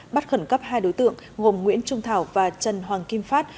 bắt khẩn cấp hai đối tượng gồm nguyễn trung thảo và trần hoàng kim phát